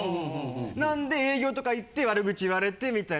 なんで営業とか行って悪口言われてみたいな。